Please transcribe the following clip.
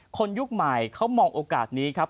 ยุคใหม่เขามองโอกาสนี้ครับ